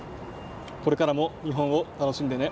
これからも日本を楽しんでね！